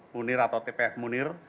munir atau tpf munir